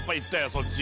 そっち